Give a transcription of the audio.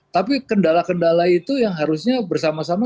tapi kendala kendala itu yang harusnya bersama sama